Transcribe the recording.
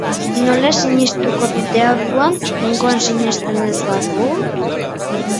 Nola sinistuko dut deabruan, jainkoan sinisten ez badut?